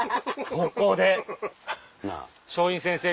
ここで松陰先生が。